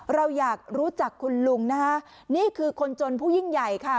เราอยากรู้จักคุณลุงนะคะนี่คือคนจนผู้ยิ่งใหญ่ค่ะ